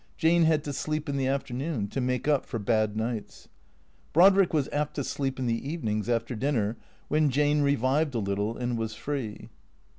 Jane had to sleep in the afternoon, to make up for bad nights. Brodrick was apt to sleep in the evenings, after dinner, when Jane revived a little and was free.